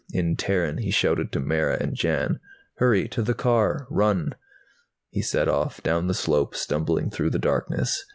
In Terran he shouted to Mara and Jan. "Hurry! To the car! Run!" He set off, down the slope, stumbling through the darkness.